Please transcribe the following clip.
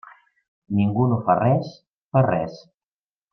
Ningú no fa res per res.